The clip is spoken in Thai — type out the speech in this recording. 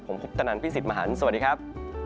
ผมคุปตนันพี่สิทธิ์มหันฯสวัสดีครับ